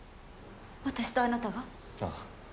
私とあなたが？ああ。